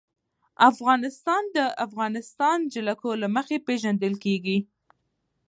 افغانستان د د افغانستان جلکو له مخې پېژندل کېږي.